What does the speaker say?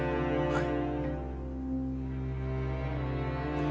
はい。